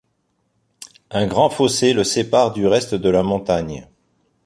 Un grand fossé le sépare du reste de la montagne.